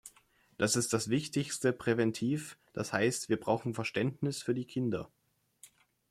Das ist das wichtigste Präventiv, das heißt, wir brauchen Verständnis für die Kinder.